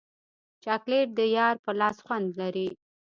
چاکلېټ د یار په لاس خوند لري.